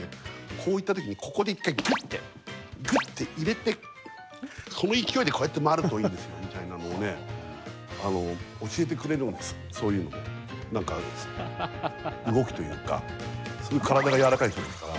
こういった時にここで１回ぐって、ぐって入れてその勢いでこうやって回るといいんですよ、みたいなのをそういう、なんか動きというかすごく体が柔らかい人ですから。